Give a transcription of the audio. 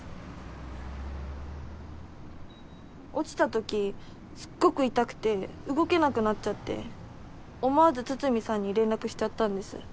落ちた時すっごく痛くて動けなくなっちゃって思わず筒見さんに連絡しちゃったんです。